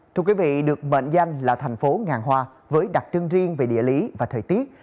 thưa quý vị được mệnh danh là thành phố ngàn hoa với đặc trưng riêng về địa lý và thời tiết